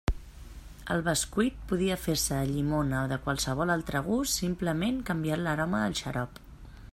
El bescuit podia fer-se de llimona o de qualsevol altre gust, simplement canviant l'aroma del xarop.